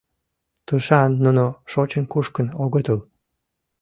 Тушан нуно шочын-кушкын огытыл.